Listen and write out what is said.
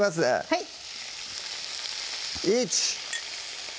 はい１！